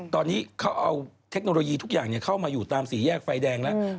ตอนนี้เขาเอาเทคโนโลยีทุกอย่างเข้ามาอยู่ตามสี่แยกไฟแดงแล้ว